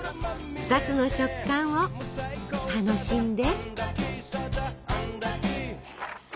２つの食感を楽しんで。